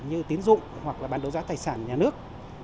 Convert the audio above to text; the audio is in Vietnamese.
như tín dụng hoặc bản đối giá tài sản nhà nước